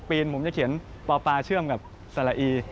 ปีนผมจะเขียนป่าเชื่อมกับสลายี